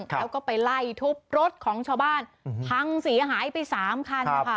แล้วก็ไปไล่ทุบรถของชาวบ้านพังเสียหายไปสามคันนะคะ